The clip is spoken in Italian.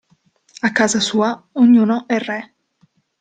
A casa sua ognuno è re.